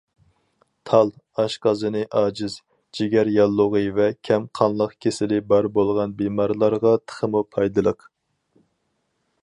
تال، ئاشقازىنى ئاجىز، جىگەر ياللۇغى ۋە كەم قانلىق كېسىلى بار بولغان بىمارلارغا تېخىمۇ پايدىلىق.